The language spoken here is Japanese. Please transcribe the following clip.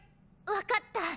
分かった。